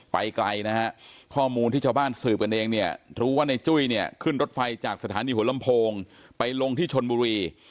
ไปไกลนะฮะข้อมูลที่ชาวบ้านสืบกันเองเนี่ยรู้ว่าในจุ้ยเนี่ยขึ้นรถไฟจากสถานีหัวลำโพงไปลงที่ชนบุรี